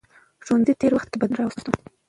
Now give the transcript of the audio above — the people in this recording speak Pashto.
ښوونځي تېر وخت کې بدلون راوست.